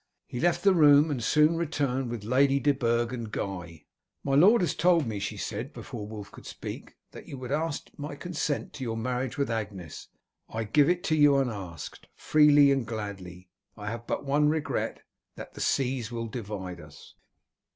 He left the room, and soon returned with Lady de Burg and Guy. "My lord has told me," she said, before Wulf could speak, "that you would ask my consent to your marriage with Agnes. I give it you unasked, freely and gladly. I have but one regret that the seas will divide us."